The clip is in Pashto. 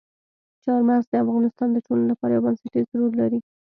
چار مغز د افغانستان د ټولنې لپاره یو بنسټيز رول لري.